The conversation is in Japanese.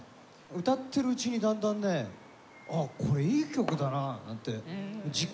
歌ってるうちにだんだんね「あっこれいい曲だな」なんて実感して。